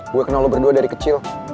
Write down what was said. gue kenal lo berdua dari kecil